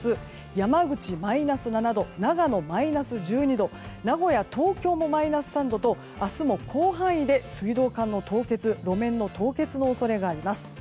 山口、マイナス７度長野、マイナス１２度名古屋、東京もマイナス３度と明日も広範囲で水道管の凍結路面の凍結の恐れがあります。